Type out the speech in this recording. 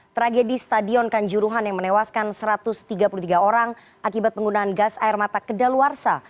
tragedi stadion kanjuruhan yang menewaskan satu ratus tiga puluh tiga orang akibat penggunaan gas air mata kedaluarsa